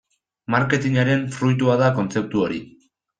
Marketingaren fruitua da kontzeptu hori.